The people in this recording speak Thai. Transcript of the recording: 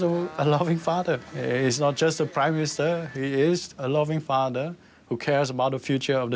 ทุกคนนักลูกมีความสงบความช่วย